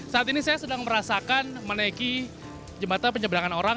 saat ini saya sedang merasakan menaiki jembatan penyeberangan orang